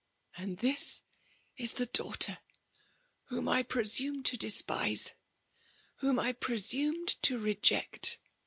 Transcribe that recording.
*' And this is the daughter whom I presumed to despise, whom I presumed to reject